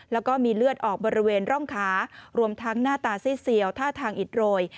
แล้วก็มีเลือดออกบริเวณร่องขารวมทั้งหน้าตาซีดเซียวท่าทางอิดโรย